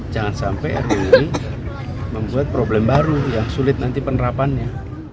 jangan sampai ruu ini membuat problem baru yang sulit nanti penerapannya